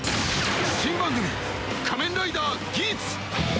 新番組「仮面ライダーギーツ」。